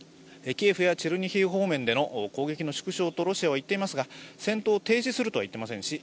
キエフやチェルニヒフ方面の砲撃の縮小とロシアは言っていますが戦闘を停止するとは言っていません。